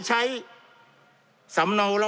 จำนวนเนื้อที่ดินทั้งหมด๑๒๒๐๐๐ไร่